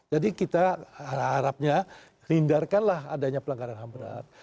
jadi kita harapnya hindarkanlah adanya pelanggaran ham berat